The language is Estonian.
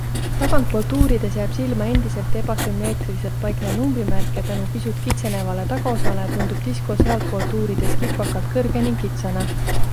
Tagantpoolt uurides jääb silma endiselt ebasümmeetriliselt paiknev numbrimärk ja tänu pisut kitsenevale tagaosale tundub Disco sealtpoolt uurides kipakalt kõrge ning kitsana.